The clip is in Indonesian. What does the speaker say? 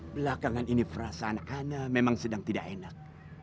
belakangan ini perasaan anak anak memang sedang tidak enak